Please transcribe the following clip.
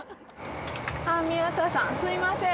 宮田さんすいません。